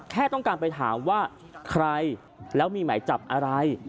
แค่ต้องการไปถามว่าใครแล้วมีหมายจับอะไร